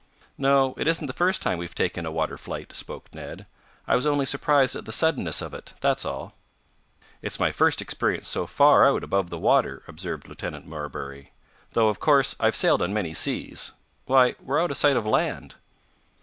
"No, it isn't the first time we've taken a water flight," spoke Ned. "I was only surprised at the suddenness of it, that's all." "It's my first experience so far out above the water," observed Lieutenant Marbury, "though of course I've sailed on many seas. Why, we're out of sight of land."